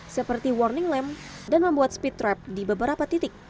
seperti warning lam dan membuat speed trap di beberapa titik